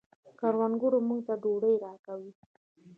کروندګر موږ ته ډوډۍ راکوي